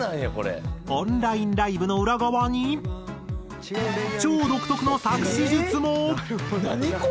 オンラインライブの裏側に超独特の作詞術も。何？